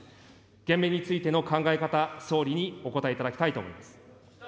減免についての考え方、総理にお答えいただきたいと思います。